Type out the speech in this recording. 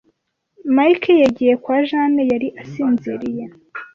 Mike yagiye kwa Jane, yari asinziriye.